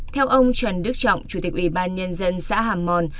theo ông trần đức trọng chủ tịch ủy ban nhân dân xã hàm mòn